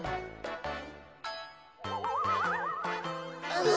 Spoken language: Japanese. うん？